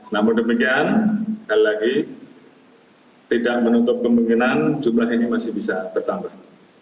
namun demikian sekali lagi tidak menutup kemungkinan jumlah ini masih bisa bertambah